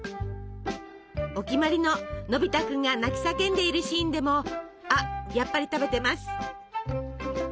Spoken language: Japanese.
お決まりののび太君が泣き叫んでいるシーンでもあっやっぱり食べてます。